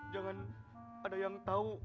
jangan ada yang tahu